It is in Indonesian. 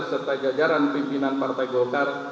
serta jajaran pimpinan partai golkar